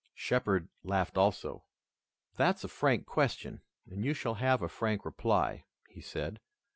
Shepard laughed also. "That's a frank question and you shall have a frank reply," he said.